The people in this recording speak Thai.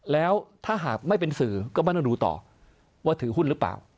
แล้วถ้าหากไม่เป็นสื่อก็ไม่ต้องดูต่อว่าถือหุ้นหรือเปล่า